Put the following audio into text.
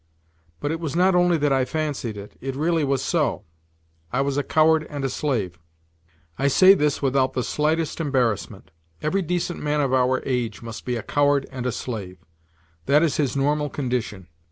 But it was not only that I fancied it, it really was so. I was a coward and a slave. I say this without the slightest embarrassment. Every decent man of our age must be a coward and a slave. That is his normal condition.